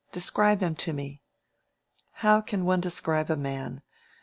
Describe him to me." "How can one describe a man?